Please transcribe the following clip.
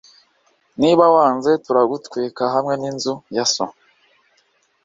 niba wanze turagutwika hamwe n'inzu ya so